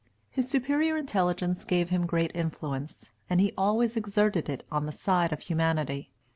His superior intelligence gave him great influence, and he always exerted it on the side of humanity.